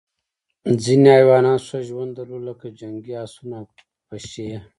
ځینې حیوانات ښه ژوند درلود لکه جنګي اسونه او پشۍ.